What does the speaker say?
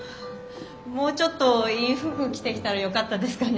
もうちょっといい服着てきたらよかったですかね。